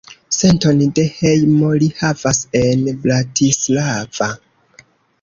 Senton de hejmo li havas en Bratislava.